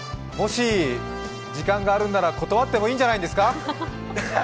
もし時間があるなら断ってもいいんじゃないですか？